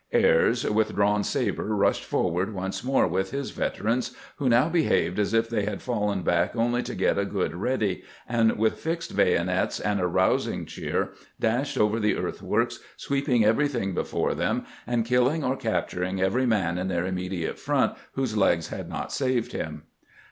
Ayres, with drawn saber, rushed forward once more with his veterans, who now behaved as if they had fallen back only to get a " good ready," and with Gxed bayo nets and a rousing cheer dashed over the earthworks, sweeping everything before them, and killing or captur ing every man in their immediate front whose legs had not saved him.